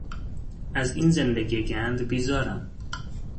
از این زندگی گند بیزارم.